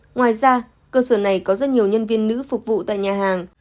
ngoài ra cơ sở này có rất nhiều nhân viên nữ phục vụ tại nhà hàng